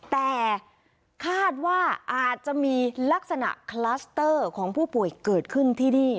แต่คาดว่าอาจจะมีลักษณะคลัสเตอร์ของผู้ป่วยเกิดขึ้นที่นี่